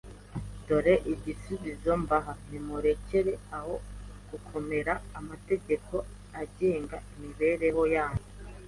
Dore igisubizo mbaha, “Nimurekere aho kugomera amategeko agenga imibereho yanyu;